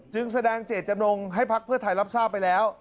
จึงแสดงเจตจำนงให้พักเพื่อไทยรับทราบไปแล้ว